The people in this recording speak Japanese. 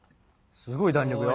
すごい弾力よ。